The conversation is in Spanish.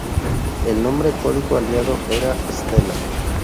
El nombre código aliado era "Stella".